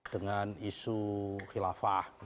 dengan isu khilafah